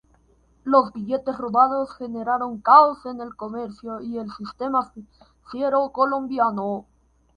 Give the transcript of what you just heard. Los billetes robados generaron caos en el comercio y el sistema financiero colombiano.